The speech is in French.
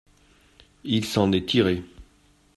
Il s’en est tiré.